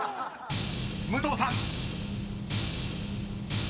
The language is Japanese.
［武藤さん］